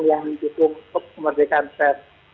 yang cukup untuk kemerdekaan pres